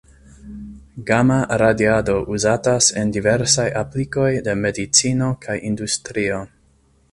Gama-radiado uzatas en diversaj aplikoj de medicino kaj industrio.